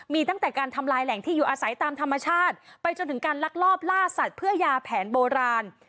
มีตั้งแต่การทำลายแหล่งที่อยู่อาศัยตามธรรมชาติไปจนถึงการลักลอบล่าสัตว์เพื่อยาแผนโบราณ